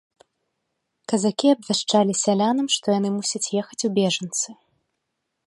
Казакі абвяшчалі сялянам, што яны мусяць ехаць у бежанцы.